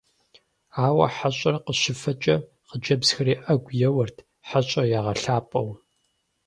Ауэ хьэщӀэр къыщыфэкӀэ хъыджэбзхэри Ӏэгу еуэрт, хьэщӀэр ягъэлъапӀэу.